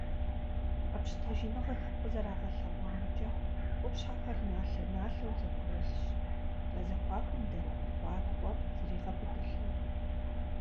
Къэпщытэныгъэхэм къызэрагъэлъэгъуамкӏэ, къупщхьэхэр налъэ-налъэу зэпкърылъщ, я зэхуакум дэт ткӏуаткӏуэм зригъэбыдылӏэу.